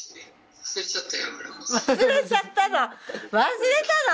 忘れちゃったの。